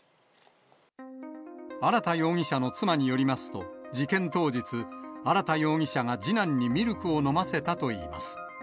荒田容疑者の妻によりますと、事件当日、荒田容疑者が次男にミルクを飲ませたといいます。